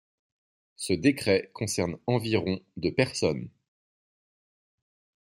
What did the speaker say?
Ce décret concerne environ de personnes.